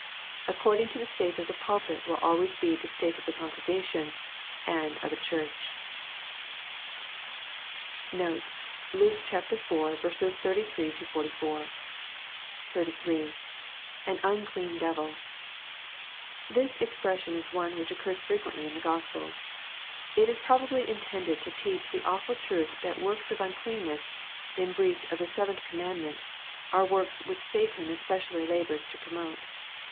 According to the state of the pulpit will always be the state of a congregation and of a Church. Notes, Luke IV. 33 — 44. 33. — [An unclean deviL] This expression is one which occurs fre quently in the Gk)^pels. It is probably intended to teach the awful truth that works of undeanness, in breach of the seventh commandment) are works which Satan especially labors to pro* mote.